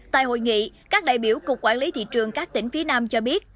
tại hội nghị các đại biểu cục quản lý thị trường các tỉnh phía nam cho biết